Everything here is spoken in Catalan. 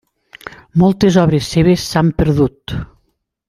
Moltes obres seves s'han perdut.